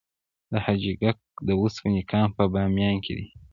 د حاجي ګک د وسپنې کان په بامیان کې دی